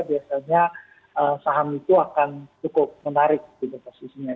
biasanya saham itu akan cukup menarik gitu posisinya